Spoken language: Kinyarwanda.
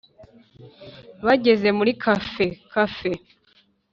bageze muri kafe(café) ,